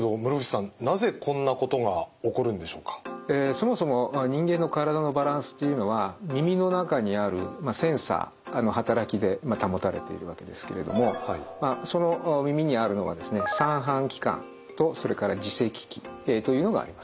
そもそも人間の体のバランスというのは耳の中にあるセンサーの働きで保たれているわけですけれどもその耳にあるのはですね三半規管とそれから耳石器というのがあります。